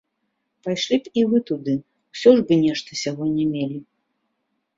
Пайшлі б і вы туды, усё ж бы нешта сягоння мелі.